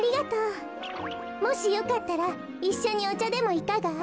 もしよかったらいっしょにおちゃでもいかが？